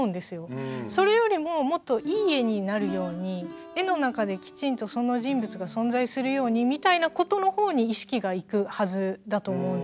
それよりももっといい絵になるように絵の中できちんとその人物が存在するようにみたいなことの方に意識がいくはずだと思うんですけど。